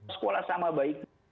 sekolah sama baik